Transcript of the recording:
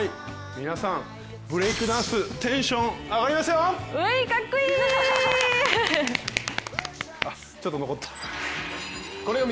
皆さんブレイクダンステンション上がりますよ！